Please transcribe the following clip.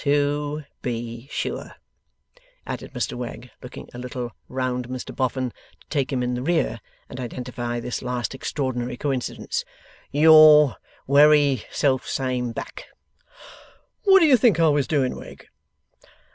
To be sure!' added Mr Wegg, looking a little round Mr Boffin, to take him in the rear, and identify this last extraordinary coincidence, 'your wery self same back!' 'What do you think I was doing, Wegg?